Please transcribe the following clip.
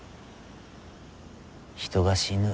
人が死ぬ。